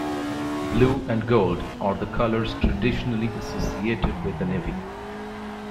Blue and gold are the colors traditionally associated with the Navy.